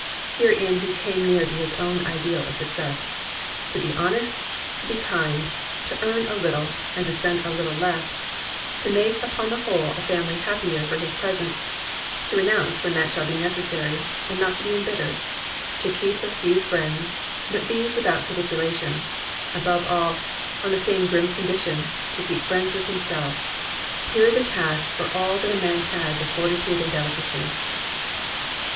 Herein he came near to his own ideal of success: "To be honest, to be kind — ^to earn a httle and to spend a httle less, to make upon the whole a family happier for his presence, to renoimce when that shall be necessary and not to be embittered, to keep a few friends, but these without capitulation, — above all, on the same grim condition, to keep friends with himself — here is a task for all that a man has of fortitude and delicacy."